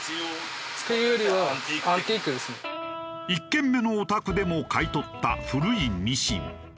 １軒目のお宅でも買い取った古いミシン。